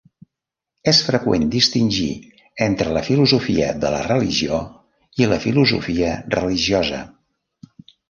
És freqüent distingir entre la filosofia de la religió i la filosofia religiosa.